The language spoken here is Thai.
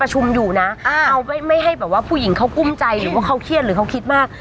หรือว่าผู้หญิงเขากุ้มใจหรือว่าเขาเครียดหรือเขาคิดมาก